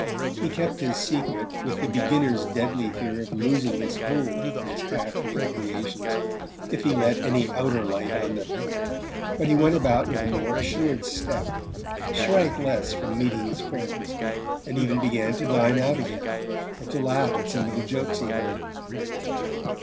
He kept his secret with the beginner's deadly fear of losing his hold on his half real creations if he let in any outer light on them; but he went about with a more assured step, shrank less from meeting his friends, and even began to dine out again, and to laugh at some of the jokes he heard.